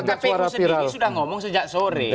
kpu sendiri sudah ngomong sejak sore